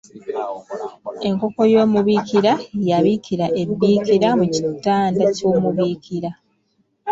Enkoko y’omubiikira yabiikira e Biikira mu kitanda ky’omubiikira.